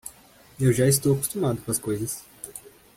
Eu já estou acostumado com as coisas.